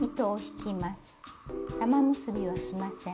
玉結びはしません。